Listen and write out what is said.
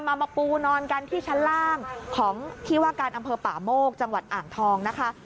มามาปูนอนกันที่ชั้นล่างของที่ว่าการอำเภอป่าโมกจังหวัดอ่างทองนะคะ